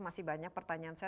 masih banyak pertanyaan saya